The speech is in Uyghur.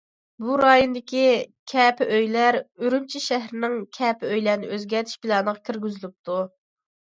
بۇ رايوندىكى كەپە ئۆيلەر ئۈرۈمچى شەھىرىنىڭ كەپە ئۆيلەرنى ئۆزگەرتىش پىلانىغا كىرگۈزۈلۈپتۇ.